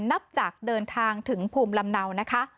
นับจากเดินทางถึงภูมิลำเนานะคะ